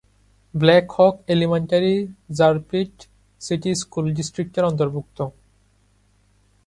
Black Hawk elementary Rapid City school ডিস্ট্রিক্টের অন্তর্ভুক্ত।